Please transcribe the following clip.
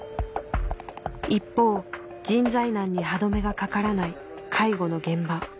・一方人材難に歯止めがかからない介護の現場